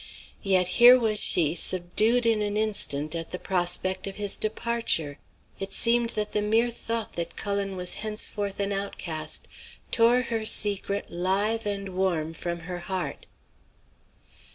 Yet here was she subdued in an instant at the prospect of his departure! It seemed that the mere thought that Cullen was henceforth an outcast tore her secret live and warm from her heart.